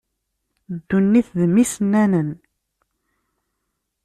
Ddunit, d mm isennanen.